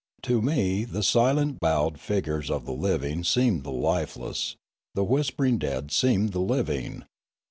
To me the silent bowed figures of the living seemed the lifeless, the whispering dead seemed the living.